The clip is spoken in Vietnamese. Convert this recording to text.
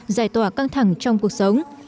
giải tỏa căng thẳng trong cuộc sống